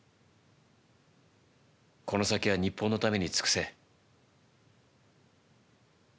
この先は日本のために尽くせ。